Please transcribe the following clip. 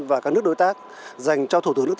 và các nước đối tác